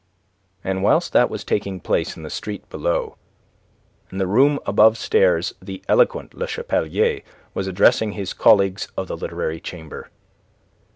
And whilst that was taking place in the street below, in the room abovestairs the eloquent Le Chapelier was addressing his colleagues of the Literary Chamber.